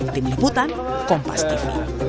tim liputan kompas tv